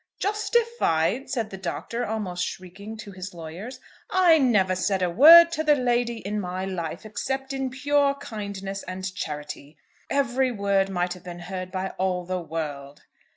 "Justified!" said the Doctor, almost shrieking, to his lawyers; "I never said a word to the lady in my life except in pure kindness and charity. Every word might have been heard by all the world."